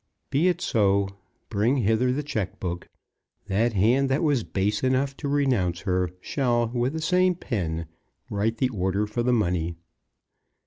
Be it so. Bring hither the cheque book. That hand that was base enough to renounce her shall, with the same pen, write the order for the money."